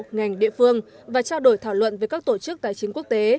ngành địa phương và trao đổi thảo luận với các tổ chức tài chính quốc tế